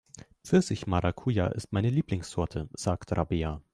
Pfirsich-Maracuja ist meine Lieblingssorte, sagt Rabea.